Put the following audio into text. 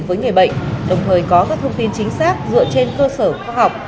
với người bệnh đồng thời có các thông tin chính xác dựa trên cơ sở khoa học